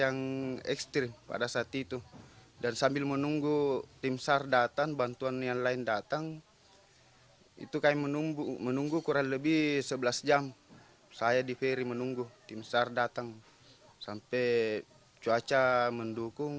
artinya lebih dahulu istri dan anak untuk dievakuasi ke daratan